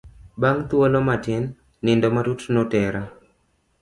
Bang' thuolo matin nindo matut notera.